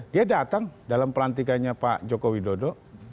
dia datang dalam pelantikannya pak jokowi dodo